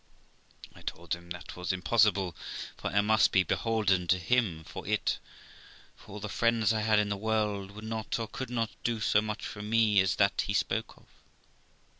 I told him that was impossible, for I must be beholden to him for it, for all the friends I had in the world would not or could not do so much for me as that he spoke of.